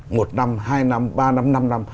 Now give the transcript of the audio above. một năm hai năm ba năm năm năm